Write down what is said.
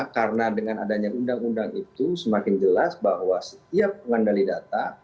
karena dengan adanya undang undang itu semakin jelas bahwa setiap pengendali data